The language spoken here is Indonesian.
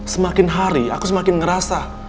semakin hari aku semakin ngerasa